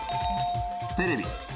テレビ。